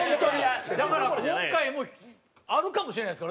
だから今回もあるかもしれないですからね